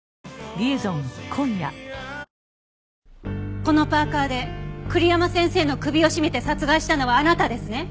このパーカで栗山先生の首を絞めて殺害したのはあなたですね？